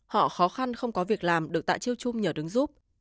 họ khó khăn không có việc làm được tại chiêu chung nhờ đứng giúp